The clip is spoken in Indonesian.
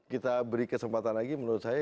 kita beri kesempatan lagi menurut saya